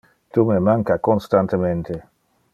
Tu me manca constantemente.